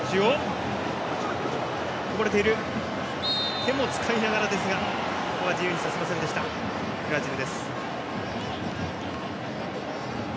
手も使いながらですが自由にさせませんでしたブラジル。